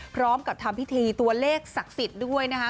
พร้อมกับทำพิธีตัวเลขศักดิ์สิทธิ์ด้วยนะคะ